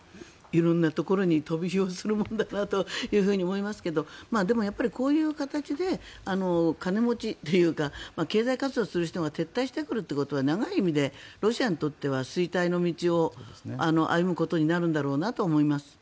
色んなところに飛び火をするもんだなと思いますけれどもでも、こういう形で金持ちというか経済活動をする人たちが撤退してくるということは長い意味でロシアにとっては衰退の道を歩むことになるんだろうなと思います。